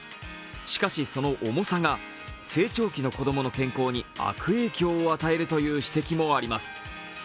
しかし、その重さが成長期の子供の健康に悪影響を与えるという指摘もあります。